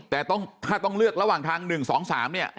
แต่ถ้าต้องเลือกระหว่างทาง๑๒๓เนี่ย